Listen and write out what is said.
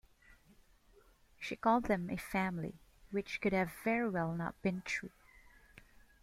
She called them a family, which could have very well not been true.